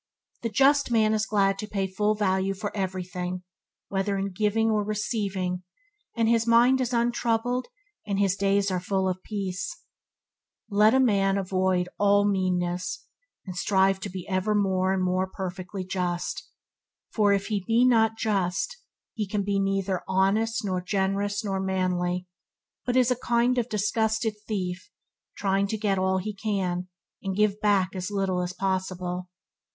The just man is glad to pay full value for everything, whether in giving or receiving and his mind is untroubled and his days are full of peace. Let a man above all avoid meanness, and strive to be ever more and more perfectly just, for if not just, he can be neither honest, nor generous, nor manly, but is a kind of disguised thief trying to get all he can, and give back as little as possible.